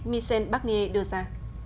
michel bacchier đưa ra